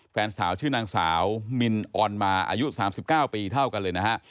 แฟนสาวชื่อนางสาวมินออนมาอายุ๓๙ปีเท่ากันเลยนะฮะ